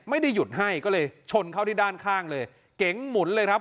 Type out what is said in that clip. ไม่ได้หยุดให้ก็เลยชนเข้าที่ด้านข้างเลยเก๋งหมุนเลยครับ